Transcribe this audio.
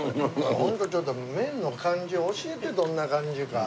ホントちょっと麺の感じを教えてどんな感じか。